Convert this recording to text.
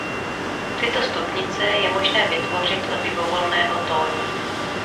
Tyto stupnice je možné vytvořit od libovolného tónu.